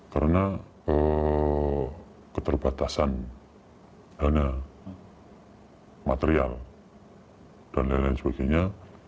karena keterbatasan dana material dan lain lain sebagainya